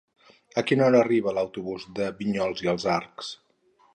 A quina hora arriba l'autobús de Vinyols i els Arcs?